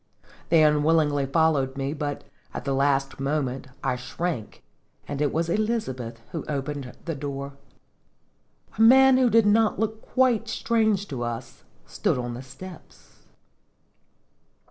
They unwillingly followed me ; but, at the last moment, I shrank, and it was Elizabeth who opened the door. A man who did not look quite strange to us, stood on the steps.